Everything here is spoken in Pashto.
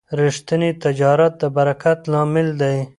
ریښتینی تجارت د برکت لامل دی.